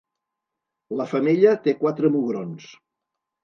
La femella té quatre mugrons.